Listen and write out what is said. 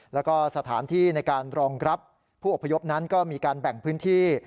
แล้วก็สถานที่ในการรองรับผู้อพยพนั้นก็มีการแบ่งพื้นที่